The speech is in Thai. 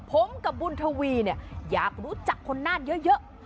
ผมกับบุญดุวีอยากรู้จักคนหน้าเยอะ